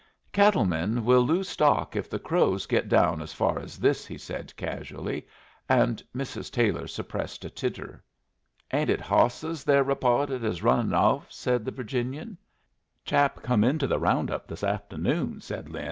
"Cattle men will lose stock if the Crows get down as far as this," he said, casually, and Mrs. Taylor suppressed a titter. "Ain't it hawses the're repawted as running off?" said the Virginian. "Chap come into the round up this afternoon," said Lin.